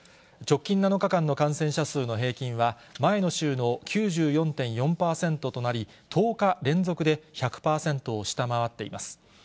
直近７日間の感染者数の平均は、前の週の９４．４％となり、１０日連続で１００％を下回っています。